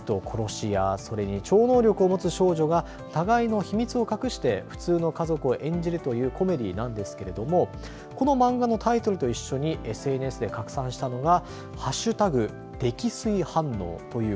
スパイと殺し屋それに超能力を持つ少女が互いの秘密を隠して普通の家族を演じるというコメディーなんですけどこの漫画のタイトルと一緒にＳＮＳで拡散したのが＃